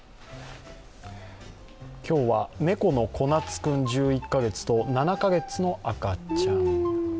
今日は、猫のこなつ君１１カ月と、７カ月の赤ちゃん。